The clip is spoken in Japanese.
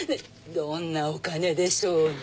どんなお金でしょう？